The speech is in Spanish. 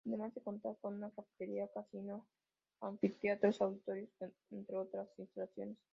Además de contar con una cafetería, casino, anfiteatros, auditorios, entre otras instalaciones.